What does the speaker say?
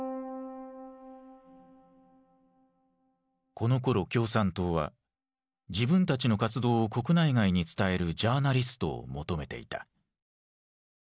このころ共産党は自分たちの活動を国内外に伝えるジャーナリストを求めていた。